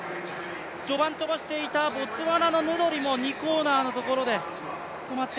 序盤飛ばしていたボツワナのヌドリも２コーナーのところで止まって。